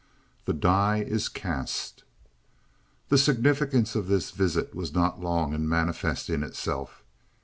The Die is Cast The significance of this visit was not long in manifesting itself.